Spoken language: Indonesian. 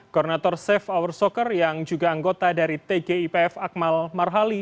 koordinator safe our soccer yang juga anggota dari tgipf akmal marhali